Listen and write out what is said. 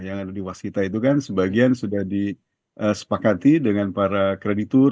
yang ada di wasita itu kan sebagian sudah disepakati dengan para kreditur